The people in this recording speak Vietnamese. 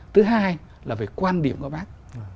thứ hai là về quan điểm của bác